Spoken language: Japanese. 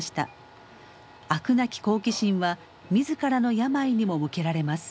飽くなき好奇心は自らの病にも向けられます。